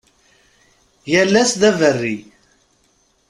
Yal ass d aberri.